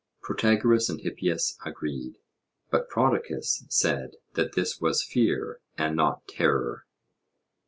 Protagoras and Hippias agreed, but Prodicus said that this was fear and not terror.